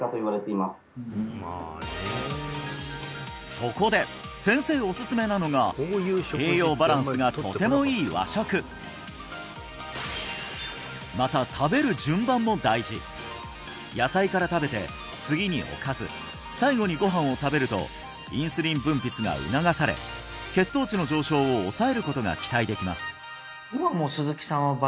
そこで先生おすすめなのが栄養バランスがとてもいい和食また食べる順番も大事野菜から食べて次におかず最後にご飯を食べるとインスリン分泌が促され血糖値の上昇を抑えることが期待できますええ